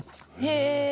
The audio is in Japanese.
へえ！